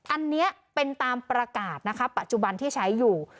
อันนี้เป็นตามประกาศนะคะปัจจุบันที่ใช้อยู่